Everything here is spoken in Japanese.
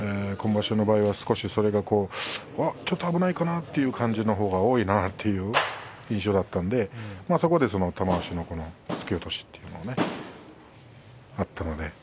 今場所の場合は少しそれがちょっと危ないかなという感じのほうが多いなという印象だったんでそこで玉鷲の突き落としというねそれがあったので。